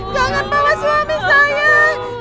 jangan bawa suami saya